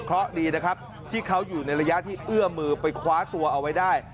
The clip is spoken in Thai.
เพราะดีนะครับที่เขาอยู่ในระยะที่เอื้อมือไปคว้าตัวเอาไว้ได้